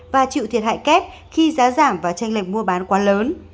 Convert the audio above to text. và chịu thiệt hại kép khi giá giảm và tranh lệch mua bán quá lớn